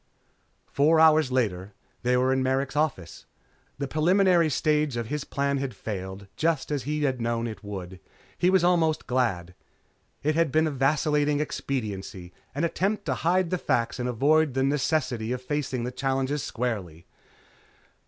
Four hours later they were in Merrick's office. The preliminary stage of his plan had failed, just as he had known it would. He was almost glad. It had been a vacillating expediency, an attempt to hide the facts and avoid the necessity of facing the challenge squarely.